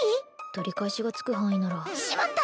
取り返しがつく範囲ならしまった！